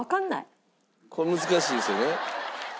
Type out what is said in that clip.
これ難しいですよね。